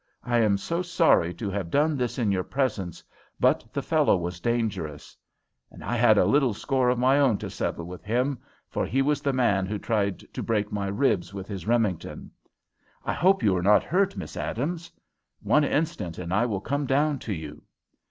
I am so sorry to have done this in your presence, but the fellow was dangerous. I had a little score of my own to settle with him, for he was the man who tried to break my ribs with his Remington. I hope you are not hurt, Miss Adams! One instant, and I will come down to you."